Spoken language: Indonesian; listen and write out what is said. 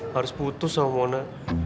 harus putus sama mona